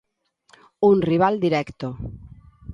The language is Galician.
Un rival directo.